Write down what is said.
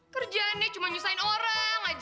kerjaan ya cuma nyusahin orang aja